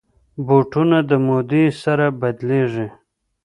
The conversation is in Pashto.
بوټونه د مودې سره بدلېږي.